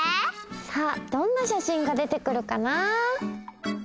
さあどんなしゃしんが出てくるかな？